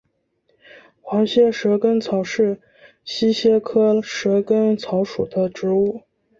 黄褐蛇根草是茜草科蛇根草属的植物。